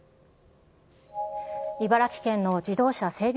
茨城県の自動車整備